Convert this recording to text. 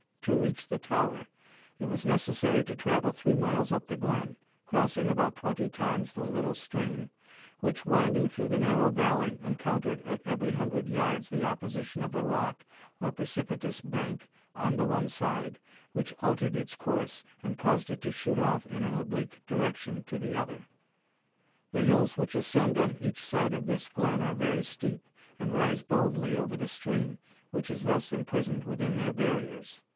To reach the tower, it was necessary to travel three miles up the glen, crossing about twenty times the little stream, which, winding through the narrow valley, encountered at every hundred yards the opposition of a rock or precipitous bank on the one side, which altered its course, and caused it to shoot off in an oblique direction to the other. The hills which ascend on each side of this glen are very steep, and rise boldly over the stream, which is thus imprisoned within their barriers.